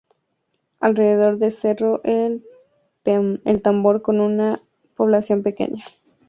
Alrededor de Cerro El Tambor con una población pequeña.